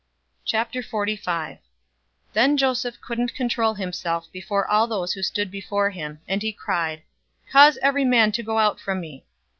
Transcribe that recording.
045:001 Then Joseph couldn't control himself before all those who stood before him, and he cried, "Cause every man to go out from me!"